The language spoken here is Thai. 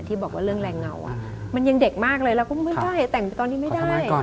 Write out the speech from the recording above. บอกว่าเรื่องแรงเงามันยังเด็กมากเลยเราก็ไม่ได้แต่งตอนนี้ไม่ได้